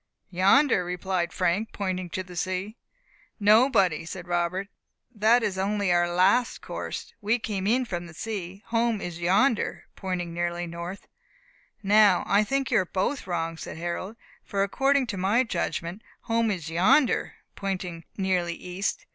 "Yonder," replied Frank, pointing to the sea. "No, buddy," said Robert, "that is only our last course; we came in from sea. Home is yonder," pointing nearly north. "Now, I think you are both wrong," said Harold, "for according to my judgment home is yonder," pointing nearly east.